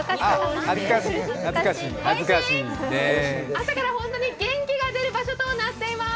朝から本当に元気が出る場所となっています。